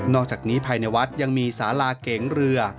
อกจากนี้ภายในวัดยังมีสาราเก๋งเรือ